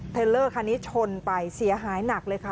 เทลเลอร์คันนี้ชนไปเสียหายหนักเลยค่ะ